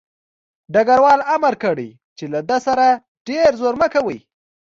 ډګروال امر کړی چې له ده سره ډېر زور مه کوئ